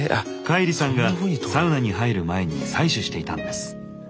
カイリさんがサウナに入る前に採取していたんです。